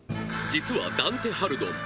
実はダンテ・ハルドン